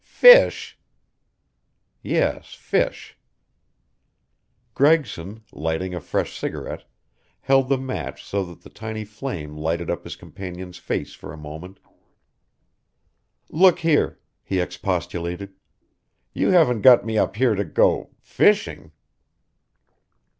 "Fish!" "Yes, fish." Gregson, lighting a fresh cigarette, held the match so that the tiny flame lighted up his companion's face for a moment. "Look here," he expostulated, "you haven't got me up here to go fishing?"